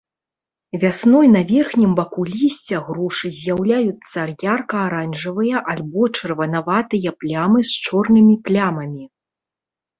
Вясной на верхнім баку лісця грушы з'яўляюцца ярка-аранжавыя альбо чырванаватыя плямы з чорнымі плямамі.